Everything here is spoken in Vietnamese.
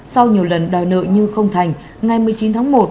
sau nhiều lần đòi nợ như không thành ngày một mươi chín tháng một